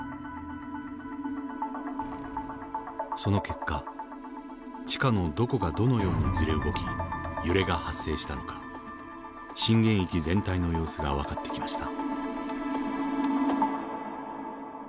その結果地下のどこがどのようにずれ動き揺れが発生したのか震源域全体の様子が分かってきました。